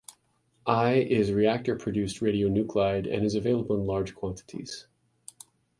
I is reactor-produced radionuclide and is available in large quantities.